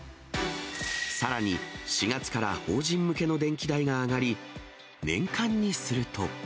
さらに、４月から法人向けの電気代が上がり、年間にすると。